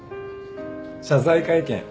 謝罪会見。